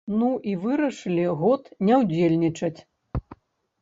Ну і вырашылі год не ўдзельнічаць.